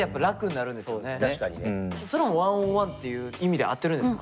それも１ｏｎ１っていう意味で合ってるんですか。